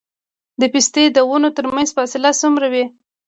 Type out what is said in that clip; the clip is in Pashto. د پستې د ونو ترمنځ فاصله څومره وي؟